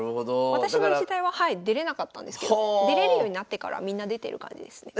私の時代は出れなかったんですけど出れるようになってからみんな出てる感じですね。